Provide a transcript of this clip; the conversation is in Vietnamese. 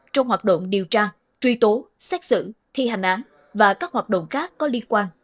trong hoạt động điều tra truy tố xét xử thi hành án và các hoạt động khác có liên quan